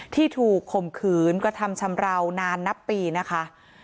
ที่ถูกข่มขืนกระทำชำราวนานนับปีนะคะ